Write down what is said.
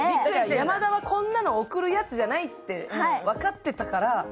山田はこんなの送るやつじゃないって分かってたから。